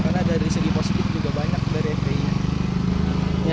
karena dari segi positif juga banyak dari fbi nya